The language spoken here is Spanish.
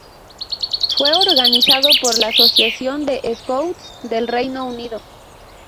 Fue organizado por la Asociación de Scouts del Reino Unido.